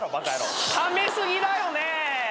ためすぎだよね。